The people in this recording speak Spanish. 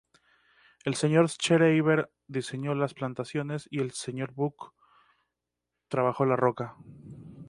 El Sr. Schreiber diseñó las plantaciones y el Sr. Buck trabajó la roca.